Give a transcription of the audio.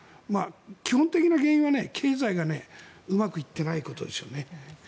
基本的な原因は経済がうまくいっていないことですよね。